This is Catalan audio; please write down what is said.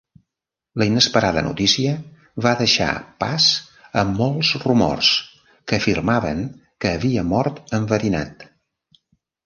La inesperada notícia va deixar pas a molts rumors que afirmaven que havia mort enverinat.